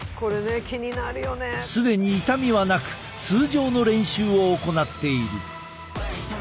既に痛みはなく通常の練習を行っている。